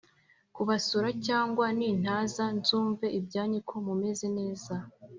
kubasura cyangwa nintaza nzumve ibyanyu ko mumez neza